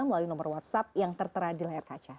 melalui nomor whatsapp yang tertera di layar kaca